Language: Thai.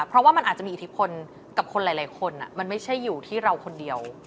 เพราะว่ามันอาจจะมีอิทธิพลกับคนหลายคนมันไม่ใช่อยู่ที่เราคนเดียว